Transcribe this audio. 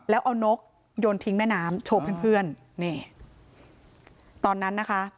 แล้วเอานกโยนทิ้งแม่น้ำโชว์เพื่อนเพื่อนนี่ตอนนั้นนะคะ